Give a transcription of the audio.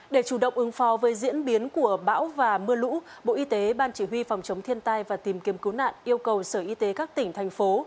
để chủ động ứng phó với diễn biến của bão và mưa lũ bộ y tế ban chỉ huy phòng chống thiên tai và tìm kiếm cứu nạn yêu cầu sở y tế các tỉnh thành phố